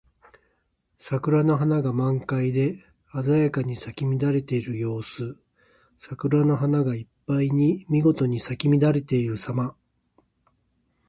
桜の花が満開で鮮やかに咲き乱れている様子。桜の花がいっぱいにみごとに咲き乱れているさま。